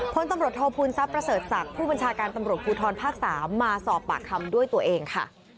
พลตำรวจโทษภูมิทรัพย์ประเสริฐศักดิ์ผู้บัญชาการตำรวจภูทรภาค๓มาสอบปากคำด้วยตัวเองค่ะ